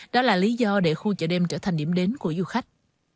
đó là lý do để khu chợ đêm trở thành điểm đến của du khách